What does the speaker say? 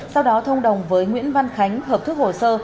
sau đó thông đồng với nguyễn văn khánh hợp thức hồ sơ